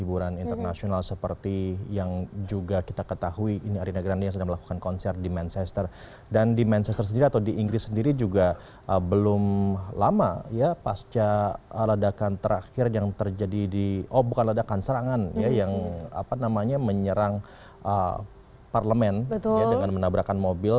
dengan menabrakkan mobil